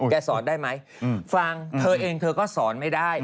สอนได้ไหมฟังเธอเองเธอก็สอนไม่ได้